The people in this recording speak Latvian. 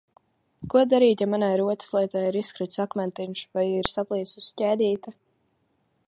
Ko darīt, ja manai rotaslietai ir izkritis akmentiņš vai ir saplīsusi ķēdīte?